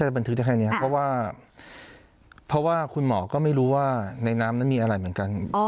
บันทึกได้แค่นี้ครับเพราะว่าเพราะว่าคุณหมอก็ไม่รู้ว่าในน้ำนั้นมีอะไรเหมือนกัน